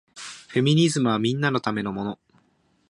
フェミニズムはみんなのためのもの